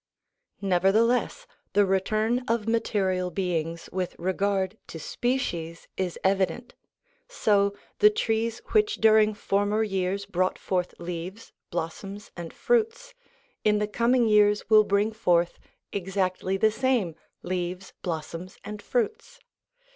Nevertheless, the return of material beings with regard to species is evident ; so, the trees which during former years brought forth leaves, blossoms, and fruits, in the coming years will bring forth exactly the same leaves, blossoms, and fruits.